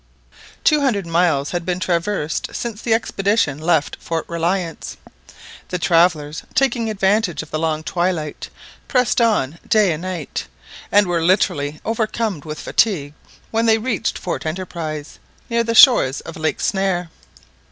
Two hundred miles had been traversed since the expedition left Fort Reliance. The travellers, taking advantage of the long twilight, pressed on day and night, and were literally overcome with fatigue when they reached Fort Enterprise, near the shores of Lake Snare.